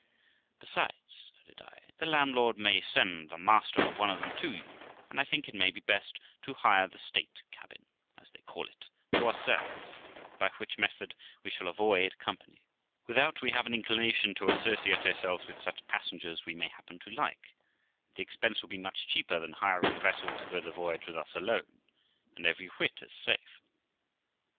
'Besides', added I, 'the landlord may send the master of one of them to you, and I think it may be best to hire the state cabin, as they call it, to ourselves, by which method we shall avoid company, without we have an inclination to associate ourselves with such passengers we may happen to like ; and the expense will be much cheaper than hiring a vessel to go the voyage with us alone, and every whit as safe.'